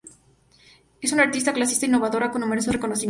Es una artista clásica innovadora con numerosos reconocimientos.